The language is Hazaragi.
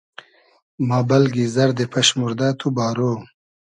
ما بئلگی زئردی پئشموردۂ , تو بارۉ